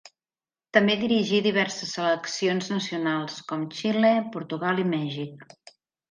També dirigí diverses seleccions nacionals, com Xile, Portugal i Mèxic.